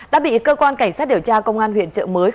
đã bị cơ quan cảnh sát điều tra công an huyện trợ mới